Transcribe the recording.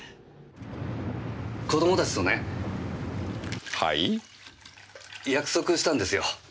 子供たちとね約束したんですよ。